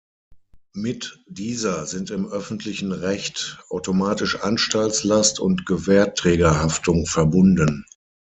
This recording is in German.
Mit dieser sind im öffentlichen Recht automatisch Anstaltslast und Gewährträgerhaftung verbunden.